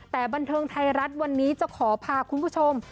แต่บันเทิงไทยรัฐวันนี้จะขอพาคุณผู้ชม